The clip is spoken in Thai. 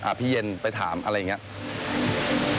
พี่เย็นไปถามอะไรอย่างนี้